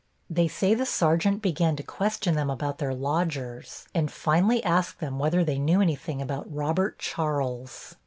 They say the sergeant began to question them about their lodgers and finally asked them whether they knew anything about Robert Charles.